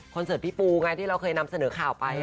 เสิร์ตพี่ปูไงที่เราเคยนำเสนอข่าวไป